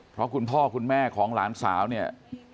เพราะคุณพ่อคุณแม่ของหลานสาวเนี่ย